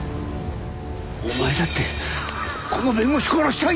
お前だってこの弁護士殺したいんだろ！